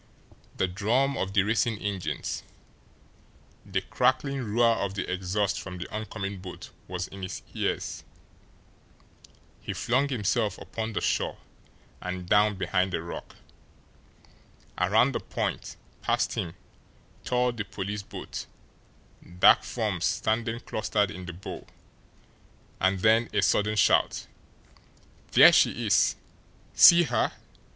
The drum of the racing engines, the crackling roar of the exhaust from the oncoming boat was in his ears. He flung himself upon the shore and down behind a rock. Around the point, past him, tore the police boat, dark forms standing clustered in the bow and then a sudden shout: "There she is! See her?